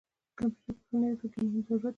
کمپیوټر په اوسني عصر کې یو مهم ضرورت دی.